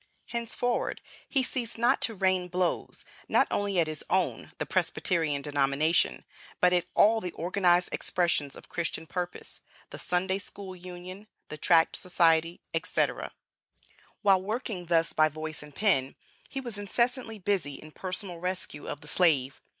Henceforward, he ceased not to rain blows, not only at his own (the Presbyterian) denomination, but at all the organized expressions of Christian purpose, the Sunday School Union, the Tract Society, etc. While working thus by voice and pen, he was incessantly busy in personal rescue of the slave.